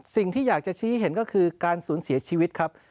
สิ่งที่อยากจะชี้ให้เห็นก็คือการสูญเสียชีวิตครับ